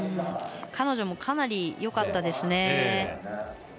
彼女もかなりよかったです。